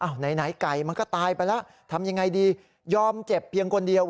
ไหนไก่มันก็ตายไปแล้วทำยังไงดียอมเจ็บเพียงคนเดียว